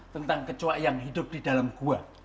tentang kecoa yang hidup di dalam gua